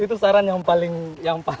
itu saran yang paling utama